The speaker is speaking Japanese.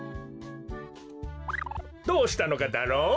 どうしたのかダロ？